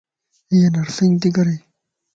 ايانرسنگ تي ڪري